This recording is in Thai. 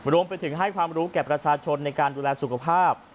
รวมไปถึงให้ความรู้แก่ประชาชนในการดูแลสุขภาพ